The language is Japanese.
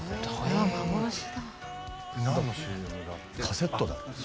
カセットだって。